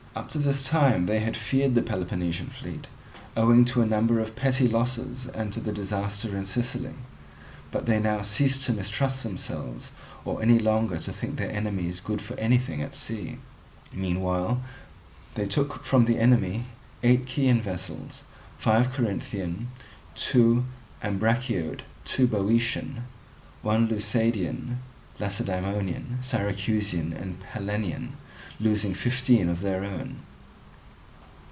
Up to this time they had feared the Peloponnesian fleet, owing to a number of petty losses and to the disaster in Sicily; but they now ceased to mistrust themselves or any longer to think their enemies good for anything at sea. Meanwhile they took from the enemy eight Chian vessels, five Corinthian, two Ambraciot, two Boeotian, one Leucadian, Lacedaemonian, Syracusan, and Pellenian, losing fifteen of their own.